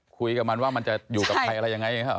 คุยกับมันว่ามันจะอยู่กับใครอะไรยังไง